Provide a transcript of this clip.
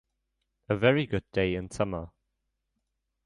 A very good day in Summer.